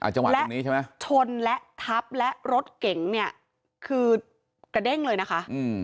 ชนและทับและรถเก่งเนี่ยคือกระเด้งเลยนะคะ